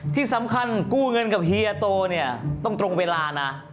ที่สำคัญกู้เงินกับเฮียโตเนี่ยต้องตรงเวลานะ